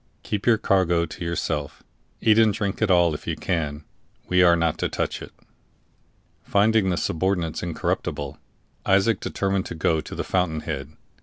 Keep your cargo to yourself; eat and drink it all if you can; we are not to touch it." Finding the subordinates incorruptible, Isaac determined to go to the fountain head.